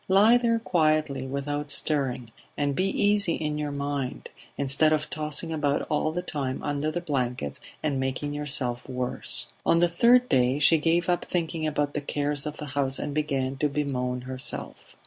Lie there quietly, without stirring; and be easy in your mind, instead of tossing about all the time under the blankets and making yourself worse...." On the third day she gave up thinking about the cares of the house and began to bemoan herself.